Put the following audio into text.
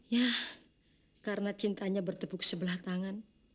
ya karena cintanya bertepuk sebelah tangan